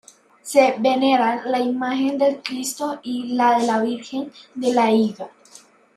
Se veneran la imagen del Cristo y la de la Virgen de la Higa.